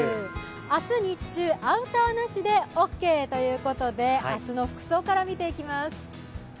明日日中アウターなしでオーケーということで、明日の服装から見ていきます。